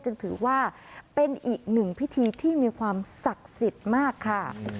จึงถือว่าเป็นอีกหนึ่งพิธีที่มีความศักดิ์สิทธิ์มากค่ะ